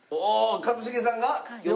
一茂さんは？